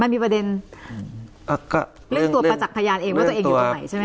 มีประเด็นเรื่องตัวประจักษ์พยานเองว่าตัวเองอยู่ตรงไหนใช่ไหม